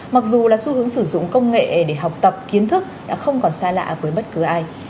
mặc dù là xu hướng sử dụng công nghệ để học tập kiến thức đã không còn xa lạ với bất cứ ai